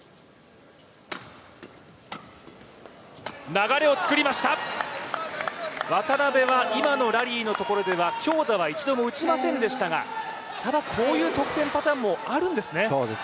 流れを作りました、渡辺は今のラリーのところでは強打は一度も打ちませんでしたが、ただ、こういう得点パターンもあるんですね。